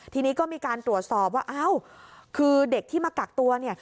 ทีนี้ก็มีการตรวจสอบว่าอ้าวคือเด็กที่มากักตัวเนี่ย